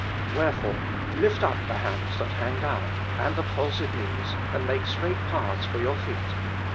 Wherefore lift up the hands that hang down, and the palsied knees ; and make straight paths for your feet.